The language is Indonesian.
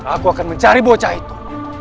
aku akan mencari bocah itu